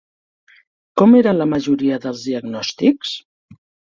Com eren la majoria de diagnòstics?